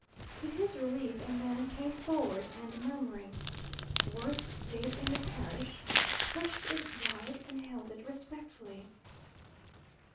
To his relief a man came forward, and murmuring, "Worst gate in the parish," pushed it wide and held it respectfully.